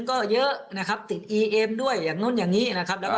ก็เยอะนะครับติดอีเอ็มด้วยอย่างนู้นอย่างนี้นะครับแล้วก็